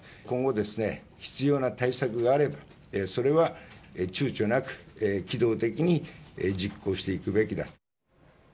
今後ですね、必要な対策があれば、それはちゅうちょなく、機動的に実行していくべきだ。